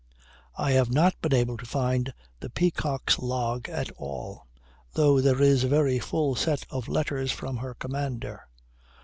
I have not been able to find the Peacock's log at all, though there is a very full set of letters from her commander.